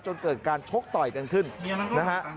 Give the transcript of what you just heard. จนเกิดการชกต่อยกันขึ้นนะฮะ